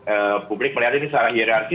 eee publik melihat ini salah hirarki